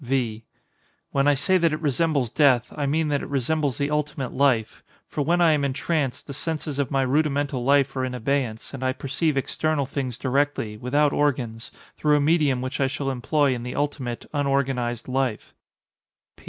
V. When I say that it resembles death, I mean that it resembles the ultimate life; for when I am entranced the senses of my rudimental life are in abeyance, and I perceive external things directly, without organs, through a medium which I shall employ in the ultimate, unorganized life.